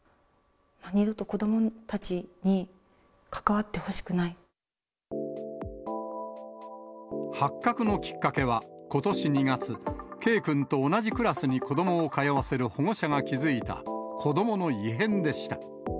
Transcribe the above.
二度と子どもたちに関わってほし発覚のきっかけは、ことし２月、Ｋくんと同じクラスに子どもを通わせる保護者が気付いた子どもの異変でした。